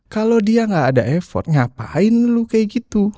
kalau dia gak ada effort ngapain lu kayak gitu